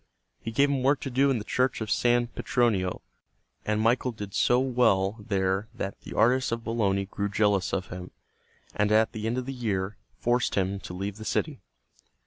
He gave him work to do in the Church of San Petronio, and Michael did so well there that the artists of Bologna grew jealous of him, and at the end of the year forced him to leave the city.